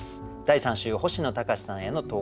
第３週星野高士さんへの投稿。